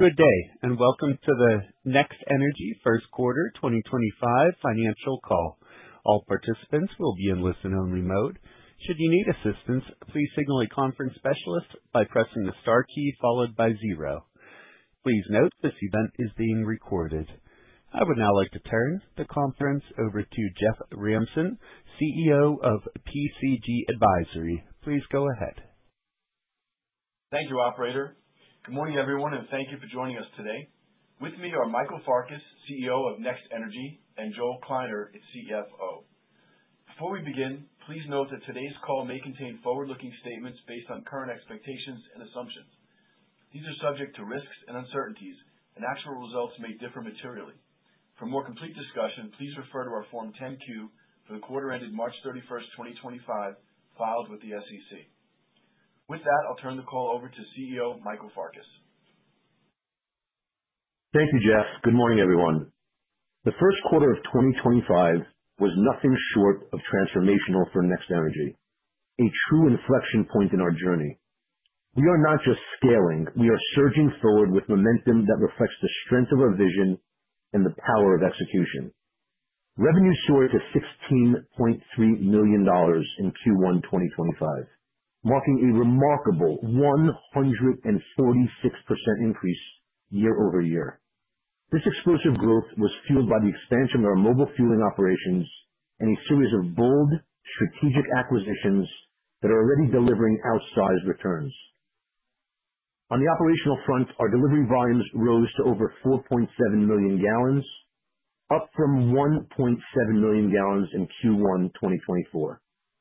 Good day, and welcome to the NextNRG first quarter 2025 financial call. All participants will be in listen-only mode. Should you need assistance, please signal a conference specialist by pressing the star key followed by zero. Please note this event is being recorded. I would now like to turn the conference over to Jeff Ramson, CEO of PCG Advisory. Please go ahead. Thank you, Operator. Good morning, everyone, and thank you for joining us today. With me are Michael Farkas, CEO of NextNRG, and Joel Kleiner, CFO. Before we begin, please note that today's call may contain forward-looking statements based on current expectations and assumptions. These are subject to risks and uncertainties, and actual results may differ materially. For a more complete discussion, please refer to our Form 10Q for the quarter ended March 31st, 2025, filed with the SEC. With that, I'll turn the call over to CEO Michael Farkas. Thank you, Jeff. Good morning, everyone. The first quarter of 2025 was nothing short of transformational for NextNRG, a true inflection point in our journey. We are not just scaling; we are surging forward with momentum that reflects the strength of our vision and the power of execution. Revenue soared to $16.3 million in Q1 2025, marking a remarkable 146% increase year over year. This explosive growth was fueled by the expansion of our mobile fueling operations and a series of bold, strategic acquisitions that are already delivering outsized returns. On the operational front, our delivery volumes rose to over 4.7 million gallons, up from 1.7 million gallons in Q1 2024,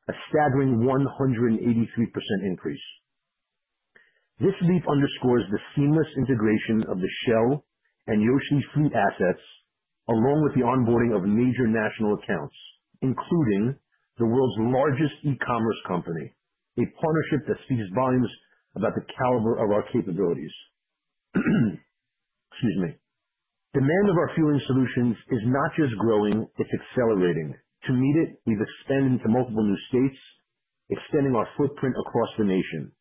a staggering 183% increase. This leap underscores the seamless integration of the Shell and Yoshi fleet assets, along with the onboarding of major national accounts, including the world's largest e-commerce company, a partnership that speaks volumes about the caliber of our capabilities. Excuse me. Demand of our fueling solutions is not just growing; it's accelerating. To meet it, we've expanded into multiple new states, extending our footprint across the nation.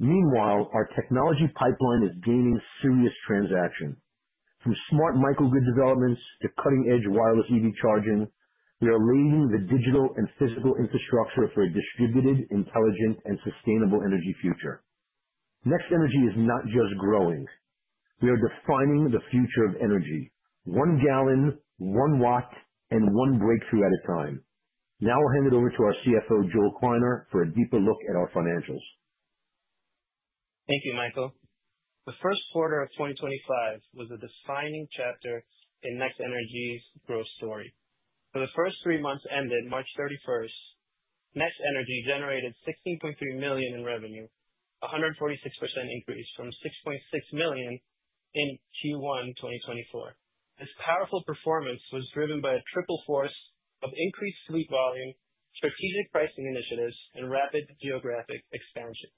Meanwhile, our technology pipeline is gaining serious traction. From smart microgrid developments to cutting-edge wireless EV charging, we are laying the digital and physical infrastructure for a distributed, intelligent, and sustainable energy future. NextNRG is not just growing; we are defining the future of energy. One gallon, one watt, and one breakthrough at a time. Now I'll hand it over to our CFO, Joel Kleiner, for a deeper look at our financials. Thank you, Michael. The first quarter of 2025 was a defining chapter in NextNRG's growth story. For the first three months ended March 31st, NextNRG generated $16.3 million in revenue, a 146% increase from $6.6 million in Q1 2024. This powerful performance was driven by a triple force of increased fleet volume, strategic pricing initiatives, and rapid geographic expansion.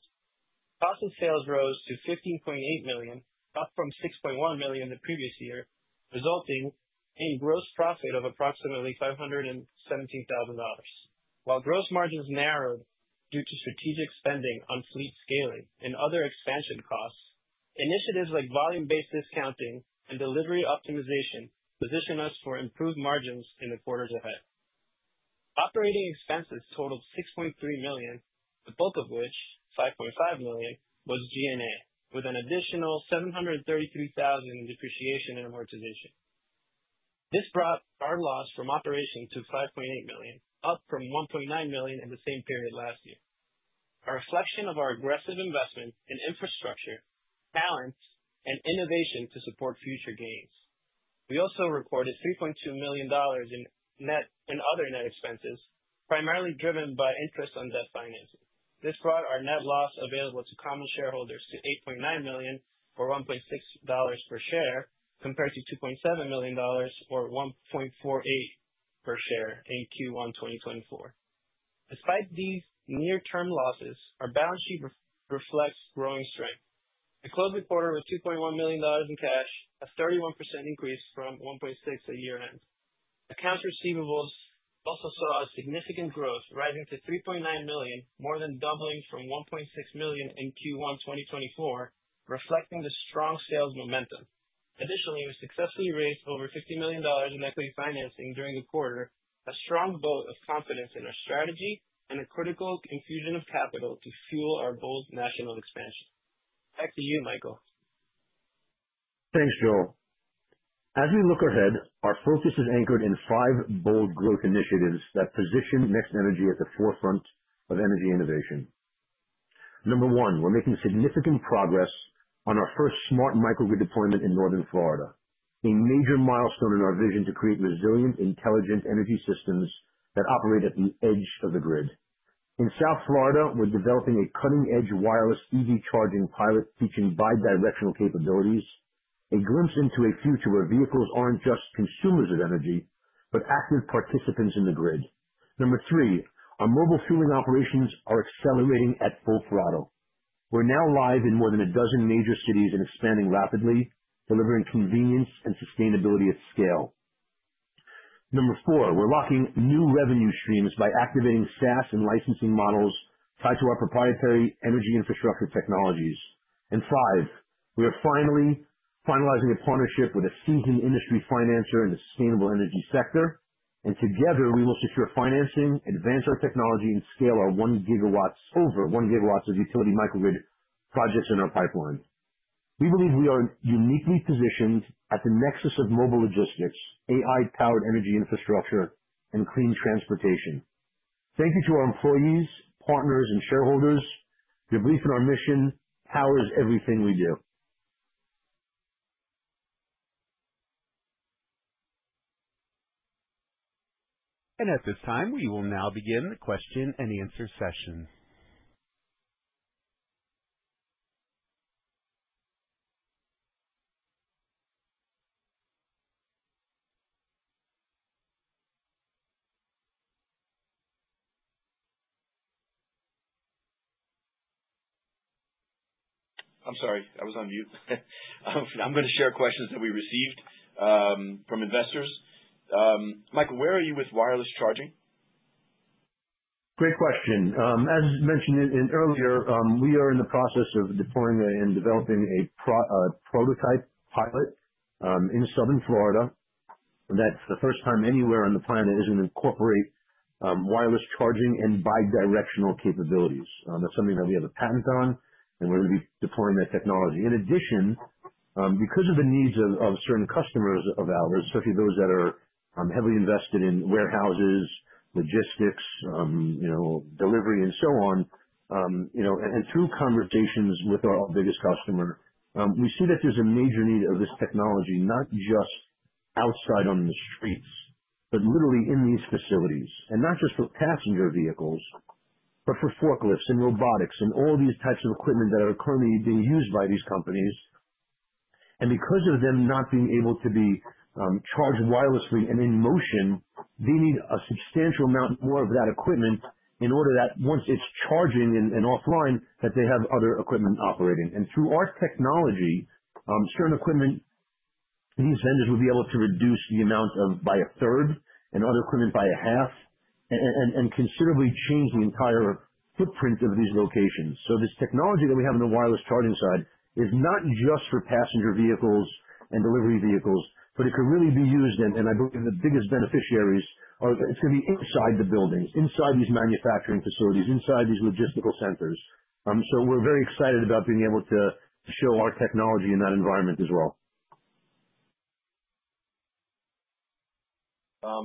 Cost of sales rose to $15.8 million, up from $6.1 million the previous year, resulting in gross profit of approximately $517,000. While gross margins narrowed due to strategic spending on fleet scaling and other expansion costs, initiatives like volume-based discounting and delivery optimization position us for improved margins in the quarters ahead. Operating expenses totaled $6.3 million, the bulk of which, $5.5 million, was G&A, with an additional $733,000 in depreciation and amortization. This brought our loss from operations to $5.8 million, up from $1.9 million in the same period last year. A reflection of our aggressive investment in infrastructure, talent, and innovation to support future gains. We also reported $3.2 million in net and other net expenses, primarily driven by interest on debt financing. This brought our net loss available to common shareholders to $8.9 million, or $1.60 per share, compared to $2.7 million, or $1.48 per share in Q1 2024. Despite these near-term losses, our balance sheet reflects growing strength. The closing quarter was $2.1 million in cash, a 31% increase from $1.6 million at year end. Accounts receivable also saw significant growth, rising to $3.9 million, more than doubling from $1.6 million in Q1 2024, reflecting the strong sales momentum. Additionally, we successfully raised over $50 million in equity financing during the quarter, a strong vote of confidence in our strategy and a critical infusion of capital to fuel our bold national expansion. Back to you, Michael. Thanks, Joel. As we look ahead, our focus is anchored in five bold growth initiatives that position NextNRG at the forefront of energy innovation. Number one, we're making significant progress on our first smart microgrid deployment in Northern Florida, a major milestone in our vision to create resilient, intelligent energy systems that operate at the edge of the grid. In South Florida, we're developing a cutting-edge wireless EV charging pilot featuring bi-directional capabilities, a glimpse into a future where vehicles aren't just consumers of energy but active participants in the grid. Number three, our mobile fueling operations are accelerating at full throttle. We're now live in more than a dozen major cities and expanding rapidly, delivering convenience and sustainability at scale. Number four, we're unlocking new revenue streams by activating SaaS and licensing models tied to our proprietary energy infrastructure technologies. We are finally finalizing a partnership with a seasoned industry financer in the sustainable energy sector, and together we will secure financing, advance our technology, and scale our one gigawatts of utility microgrid projects in our pipeline. We believe we are uniquely positioned at the nexus of mobile logistics, AI-powered energy infrastructure, and clean transportation. Thank you to our employees, partners, and shareholders. Your belief in our mission powers everything we do. At this time, we will now begin the question-and-answer session. I'm sorry, I was on mute. I'm going to share questions that we received from investors. Michael, where are you with wireless charging? Great question. As mentioned earlier, we are in the process of deploying and developing a prototype pilot in South Florida. That's the first time anywhere on the planet is going to incorporate wireless charging and bi-directional capabilities. That's something that we have a patent on, and we're going to be deploying that technology. In addition, because of the needs of certain customers of ours, especially those that are heavily invested in warehouses, logistics, delivery, and so on, and through conversations with our biggest customer, we see that there's a major need of this technology, not just outside on the streets, but literally in these facilities, and not just for passenger vehicles, but for forklifts and robotics and all these types of equipment that are currently being used by these companies. Because of them not being able to be charged wirelessly and in motion, they need a substantial amount more of that equipment in order that once it's charging and offline, they have other equipment operating. Through our technology, certain equipment, these vendors would be able to reduce the amount by a third and other equipment by a half and considerably change the entire footprint of these locations. This technology that we have on the wireless charging side is not just for passenger vehicles and delivery vehicles, but it could really be used, and I believe the biggest beneficiaries are going to be inside the buildings, inside these manufacturing facilities, inside these logistical centers. We are very excited about being able to show our technology in that environment as well.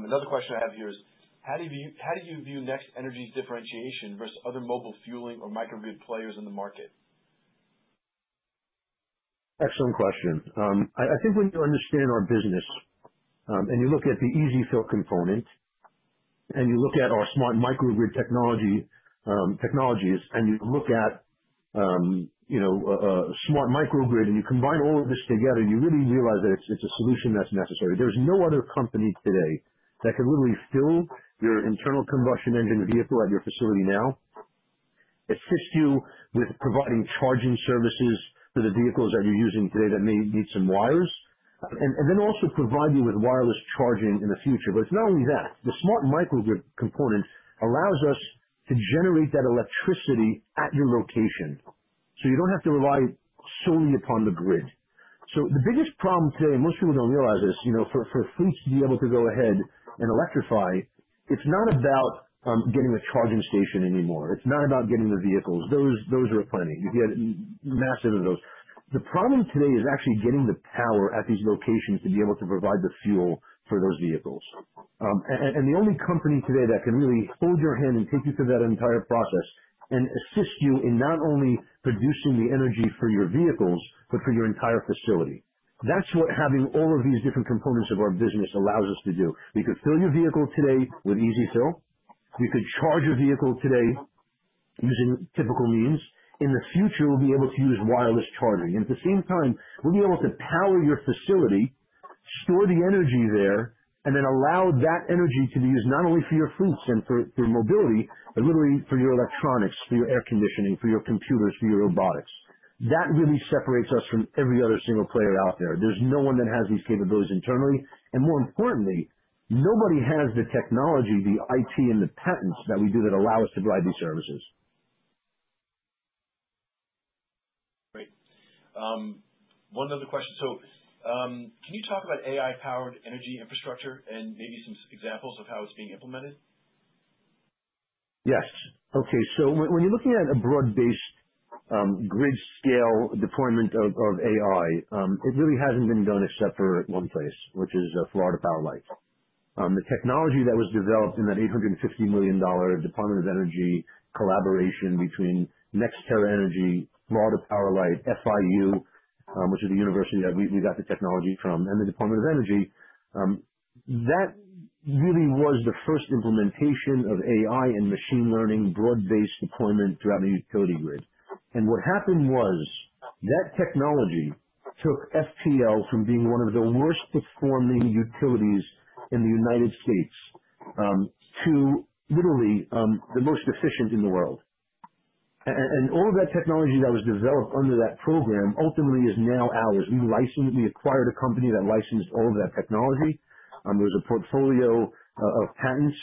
Another question I have here is, how do you view NextNRG's differentiation versus other mobile fueling or microgrid players in the market? Excellent question. I think when you understand our business and you look at the EzFill component and you look at our smart microgrid technologies and you look at a smart microgrid and you combine all of this together, you really realize that it's a solution that's necessary. There's no other company today that can literally fill your internal combustion engine vehicle at your facility now, assist you with providing charging services for the vehicles that you're using today that may need some wires, and then also provide you with wireless charging in the future. It is not only that. The smart microgrid component allows us to generate that electricity at your location so you do not have to rely solely upon the grid. The biggest problem today, and most people do not realize this, for fleets to be able to go ahead and electrify, it is not about getting a charging station anymore. It is not about getting the vehicles. Those are plenty. You get massive of those. The problem today is actually getting the power at these locations to be able to provide the fuel for those vehicles. The only company today that can really hold your hand and take you through that entire process and assist you in not only producing the energy for your vehicles but for your entire facility. That is what having all of these different components of our business allows us to do. We could fill your vehicle today with EzFill. We could charge your vehicle today using typical means. In the future, we will be able to use wireless charging. At the same time, we'll be able to power your facility, store the energy there, and then allow that energy to be used not only for your fleets and for mobility, but literally for your electronics, for your air conditioning, for your computers, for your robotics. That really separates us from every other single player out there. There is no one that has these capabilities internally. More importantly, nobody has the technology, the IT, and the patents that we do that allow us to provide these services. Great. One other question. Can you talk about AI-powered energy infrastructure and maybe some examples of how it's being implemented? Yes. Okay. When you're looking at a broad-based grid scale deployment of AI, it really hasn't been done except for one place, which is Florida Power & Light. The technology that was developed in that $850 million Department of Energy collaboration between NextEra Energy, Florida Power & Light, FIU, which is the university that we got the technology from, and the Department of Energy, that really was the first implementation of AI and machine learning broad-based deployment throughout the utility grid. What happened was that technology took FPL from being one of the worst-performing utilities in the United States to literally the most efficient in the world. All of that technology that was developed under that program ultimately is now ours. We acquired a company that licensed all of that technology. There was a portfolio of patents.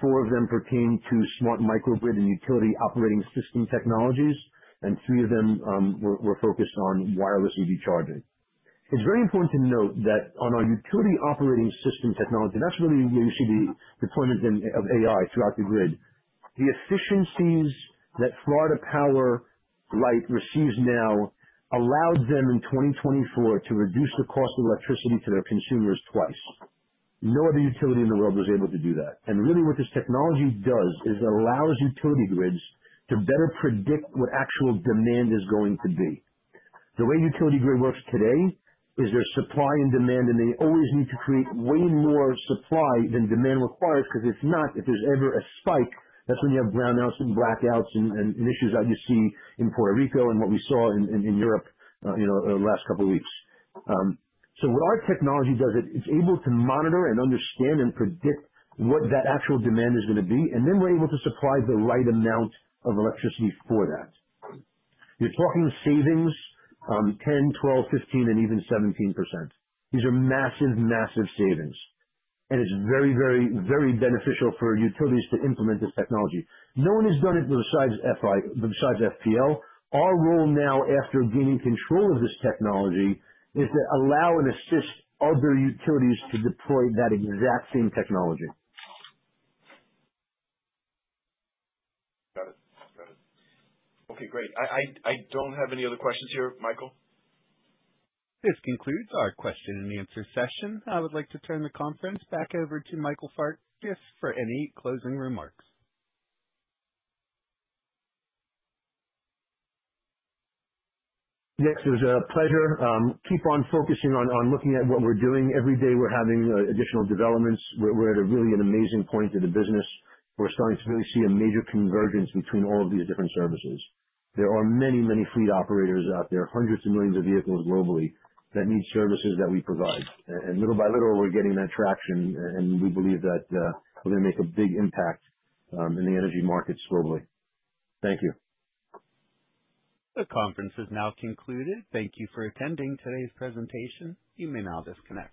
Four of them pertain to smart microgrid and utility operating system technologies, and three of them were focused on wireless EV charging. It's very important to note that on our utility operating system technology, that's really where you see the deployment of AI throughout the grid. The efficiencies that Florida Power & Light receives now allowed them in 2024 to reduce the cost of electricity to their consumers twice. No other utility in the world was able to do that. Really what this technology does is it allows utility grids to better predict what actual demand is going to be. The way utility grid works today is there's supply and demand, and they always need to create way more supply than demand requires because if not, if there's ever a spike, that's when you have brownouts and blackouts and issues that you see in Puerto Rico and what we saw in Europe the last couple of weeks. What our technology does, it's able to monitor and understand and predict what that actual demand is going to be, and then we're able to supply the right amount of electricity for that. You're talking savings 10%, 12%, 15%, and even 17%. These are massive, massive savings. It's very, very, very beneficial for utilities to implement this technology. No one has done it besides FPL. Our role now, after gaining control of this technology, is to allow and assist other utilities to deploy that exact same technology. Got it. Got it. Okay. Great. I don't have any other questions here, Michael. This concludes our question and answer session. I would like to turn the conference back over to Michael Farkas for any closing remarks. Yes. It was a pleasure. Keep on focusing on looking at what we're doing. Every day we're having additional developments. We're at really an amazing point of the business. We're starting to really see a major convergence between all of these different services. There are many, many fleet operators out there, hundreds of millions of vehicles globally that need services that we provide. Little by little, we're getting that traction, and we believe that we're going to make a big impact in the energy markets globally. Thank you. The conference is now concluded. Thank you for attending today's presentation. You may now disconnect.